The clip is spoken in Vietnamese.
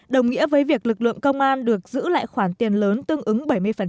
đồng nghĩa với việc lực lượng công an được giữ lại khoản tiền lớn tương ứng bảy mươi